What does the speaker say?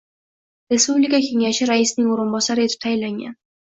Respublika kengashi raisining o'rinbosari etib tayinlangan.